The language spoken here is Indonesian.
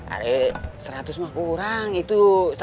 aduh seratus mah kurang itu satu ratus tujuh puluh lima juga